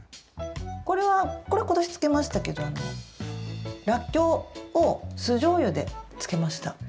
これは今年、漬けましたけどらっきょうを酢じょうゆで漬けました。